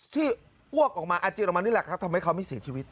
อ้วกออกมาอาเจรมันนี่แหละครับทำให้เขาไม่เสียชีวิต